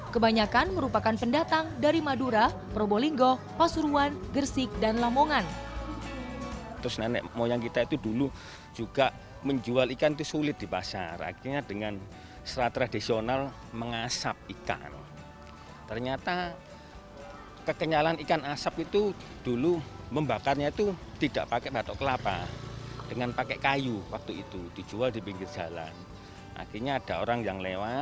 kebanyakan merupakan pendatang dari madura probolinggo pasuruan gersik dan lamongan